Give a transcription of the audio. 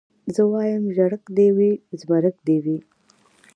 زه وايم ژړک دي وي زمرک دي وي